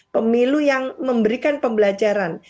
pemilu yang memberikan pembelajaran